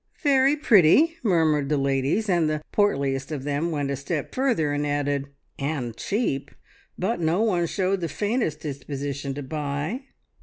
"Very pretty!" murmured the ladies, and the portliest of them went a step further and added: "And cheap!" but no one showed the faintest disposition to buy.